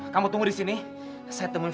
kamu tunggu disini saya akan menemui femi